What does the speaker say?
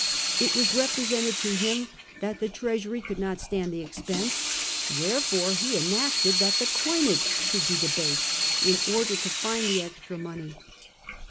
It was represented to him that the treasury could not stand the expense, wherefore he enacted that the coinage should be debased in order to find the extra money.